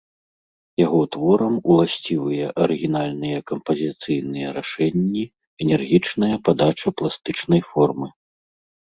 Яго творам уласцівыя арыгінальныя кампазіцыйныя рашэнні, энергічная падача пластычнай формы.